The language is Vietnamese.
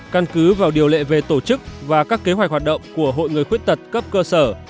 căn cứ vào điều lệ về tổ chức và các kế hoạch hoạt động của hội người khuyết tật cấp cơ sở